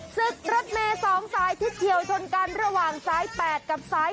ศึกรถแม่๒สายที่เที่ยวทนกันระหว่างสาย๘กับสาย๑๙๑